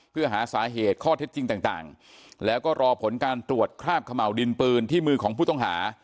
เพื่อหาสาเหตุข้อเท็จจริงต่างแล้วก็รอผลการตรวจคราบขม่าวดินปืนที่มือของผู้ต้องหา